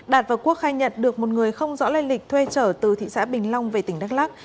đạt và quốc khai nhận được một người không rõ lây lịch thuê trở từ thị xã bình long về tỉnh đắk lắc